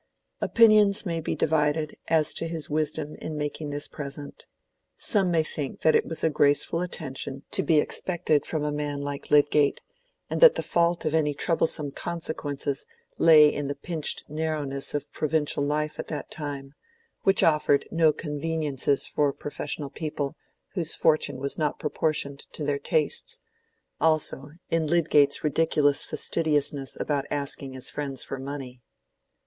Opinions may be divided as to his wisdom in making this present: some may think that it was a graceful attention to be expected from a man like Lydgate, and that the fault of any troublesome consequences lay in the pinched narrowness of provincial life at that time, which offered no conveniences for professional people whose fortune was not proportioned to their tastes; also, in Lydgate's ridiculous fastidiousness about asking his friends for money.